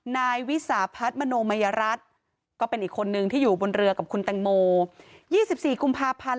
นายวิสาพัฒน์มโนมัยรัฐก็เป็นอีกคนนึงที่อยู่บนเรือกับคุณแตงโม๒๔กุมภาพันธ์